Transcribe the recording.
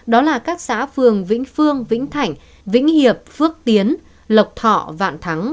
đó là các xã phường vĩnh phương vĩnh thảnh vĩnh hiệp phước tiến lộc thọ vạn thắng